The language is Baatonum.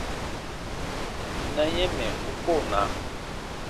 Na yɛ̃ mɛ̀ u koo na.